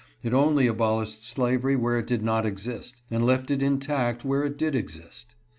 It only abolished slavery where it did not exist, and left it intact where it did exist.